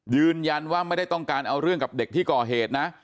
ยืนยันว่าไม่ได้ต้องการเอาเรื่องกับเด็กที่ก่อเหตุนะ